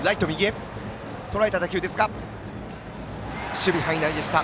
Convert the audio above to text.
守備範囲内でした。